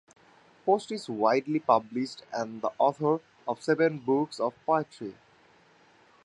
Post is widely published and the author of seven books of poetry.